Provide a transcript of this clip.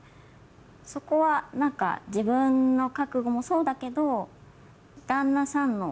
そこは何か自分の覚悟もそうだけど。